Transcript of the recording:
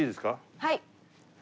はい。